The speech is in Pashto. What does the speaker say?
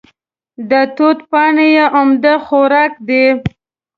د توت پاڼې یې عمده خوراک دی.